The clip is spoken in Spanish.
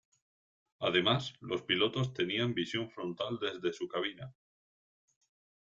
Además, los pilotos tenían visión frontal desde su cabina.